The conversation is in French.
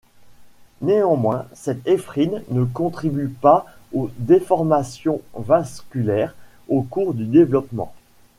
Néanmoins, cette éphrine ne contribue pas aux déformations vasculaires au cours du développement.